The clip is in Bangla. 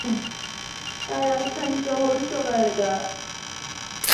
তার রাজধানী শহর সোনারগাঁ।